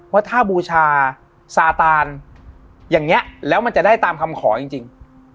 ว่าถ้าบูชาซาตานอย่างนี้แล้วมันจะได้ตามคำขอจริง